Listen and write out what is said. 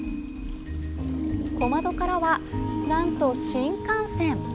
小窓からは、なんと新幹線！